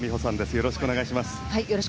よろしくお願いします。